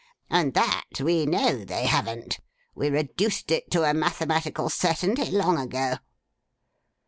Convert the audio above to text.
And that we know they haven't. We reduced it to a mathematical certainty long ago!